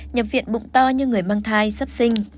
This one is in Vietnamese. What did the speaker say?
nhập viện bụng to như người mang thai sắp sinh